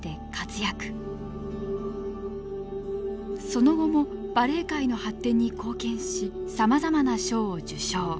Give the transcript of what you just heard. その後もバレエ界の発展に貢献しさまざまな賞を受賞。